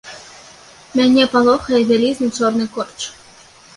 Мяне палохае вялізны чорны корч.